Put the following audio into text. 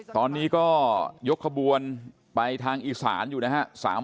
ตอนนี้ก็ยกขบวนไปทางอีสานอยู่นะฮะ